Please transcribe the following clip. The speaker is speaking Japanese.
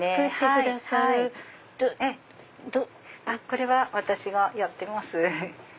これは私がやってます。